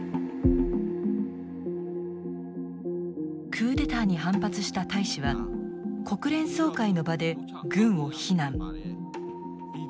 クーデターに反発した大使は国連総会の場で軍を非難。